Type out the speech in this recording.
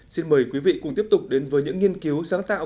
xin mời quý vị cùng tiếp tục đến với những nghiên cứu sáng tạo